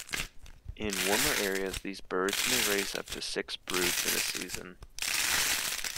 In warmer areas, these birds may raise up to six broods in a season.